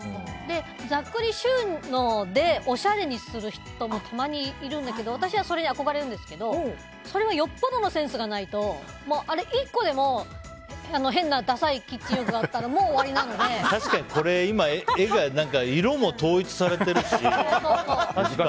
ざっくり収納でおしゃれにする人もたまにいるんだけど私はそれに憧れるんですけどそれはよほどのセンスがないと１個でも変なださいキッチン用具があったら確かに、画が色も統一されているし。